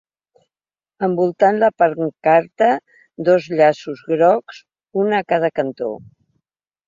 Envoltant la pancarta, dos llaços grocs, un a cada cantó.